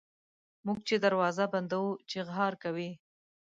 موږ چي دروازه بندوو چیغهار کوي.